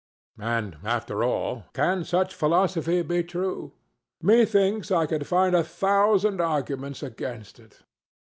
And, after all, can such philosophy be true? Methinks I could find a thousand arguments against it.